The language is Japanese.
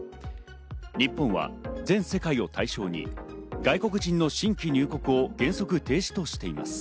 日本は全世界を対象に外国人の新規入国を原則停止としています。